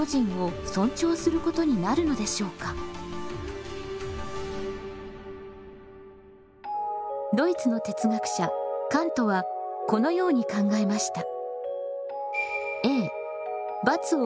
規則の範囲内でドイツの哲学者カントはこのように考えました。